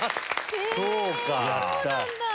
へぇそうなんだ。